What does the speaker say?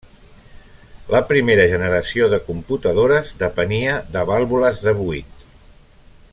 La primera generació de computadores depenia de vàlvules de buit.